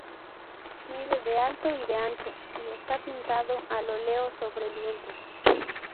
Mide de alto y de ancho, y está pintado al óleo sobre lienzo.